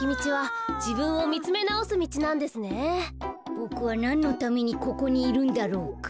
ボクはなんのためにここにいるんだろうか。